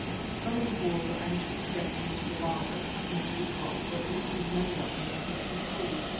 Some of the Boers were anxious to get them into the laager, small as it was, or at least as many of them as it would hold.